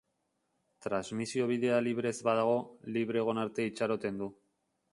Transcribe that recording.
Transmisio-bidea libre ez badago, libre egon arte itxaroten du.